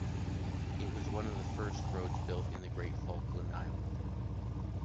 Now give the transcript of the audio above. It was one of the first roads built in the Great Falkland island.